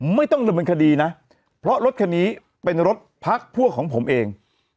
ไม่ต้องดำเนินคดีนะเพราะรถคันนี้เป็นรถพักพวกของผมเอง